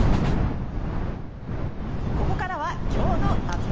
ここからは今日の熱盛。